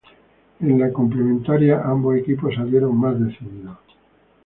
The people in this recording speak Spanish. En la complementaria, ambos equipos salieron más decididos.